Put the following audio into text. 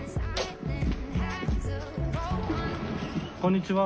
こんにちは。